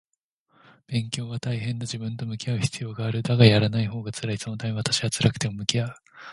勉強は大変だ。自分と向き合う必要がある。だが、やらないほうが辛い。そのため私は辛くても向き合う